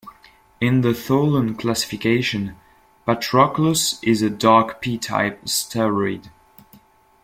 In the Tholen classification, "Patroclus" is a dark P-type asteroid.